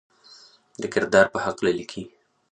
د کردار پۀ حقله ليکي: